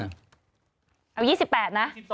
เอา๒๕หรือ๒๘ดีที่